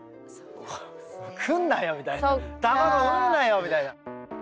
卵産むなよ！みたいな。